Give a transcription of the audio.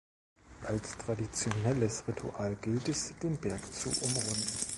Als traditionelles Ritual gilt es, den Berg zu umrunden.